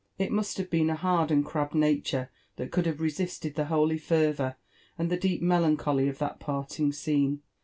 It mtrst h^ebeen a hard and crabbed nature, that could have resisted the holy fervdur and the deep melancholy of that parting scene.